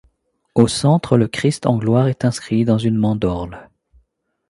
Au centre, le Christ en gloire est inscrit dans une mandorle.